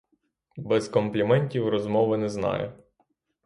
Без компліментів розмови не знає.